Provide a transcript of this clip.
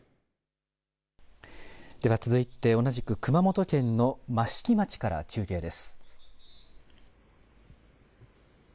では続いて同じく熊本県の益城町から中継です。